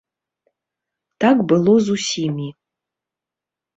Так было з усімі.